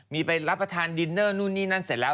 มีไปรับประทานดินเนอร์นู่นนี่นั่นเสร็จแล้ว